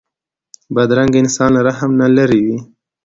بدرنګه انسان له رحم نه لېرې وي